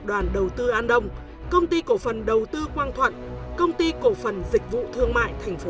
đoàn đầu tư an đông công ty cổ phần đầu tư quang thuận công ty cổ phần dịch vụ thương mại thành phố